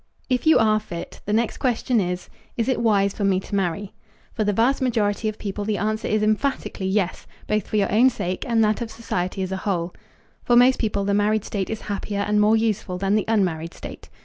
If you are fit, the next question is, "Is it wise for me to marry?" For the vast majority of people the answer is emphatically "Yes" both for your own sake and that of society as a whole. For most people the married state is happier and more useful than the unmarried state.